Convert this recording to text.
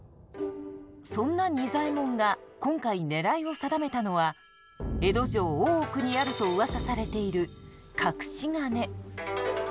そんな仁左衛門が今回狙いを定めたのは江戸城大奥にあるとうわさされている隠し金。